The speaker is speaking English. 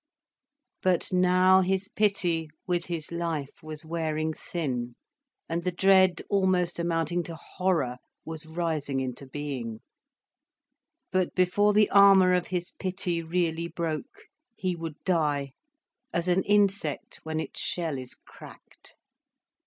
But now his pity, with his life, was wearing thin, and the dread almost amounting to horror, was rising into being. But before the armour of his pity really broke, he would die, as an insect when its shell is cracked.